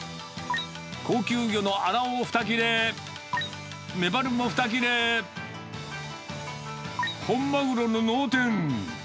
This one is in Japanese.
高級魚のアラを２切れ、メバルも２切れ、本マグロの脳天。